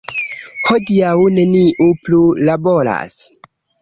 Hodiaŭ neniu plu laboras.